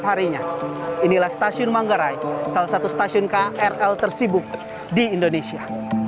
harinya inilah stasiun manggarai salah satu stasiun krl tersibuk di indonesia